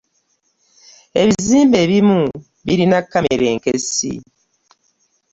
ebizimbe ebimu birina camera enkkesi .